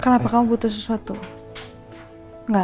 kenapa kamu butuh sesuatu